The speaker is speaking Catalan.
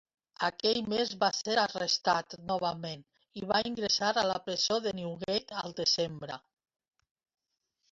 Aquell mes va ser arrestat novament i va ingressar a la presó de Newgate al desembre.